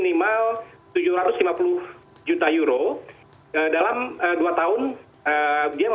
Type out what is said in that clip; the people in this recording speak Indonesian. nah dengan tahapan itu oke